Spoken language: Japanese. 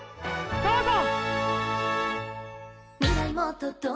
どうぞ」。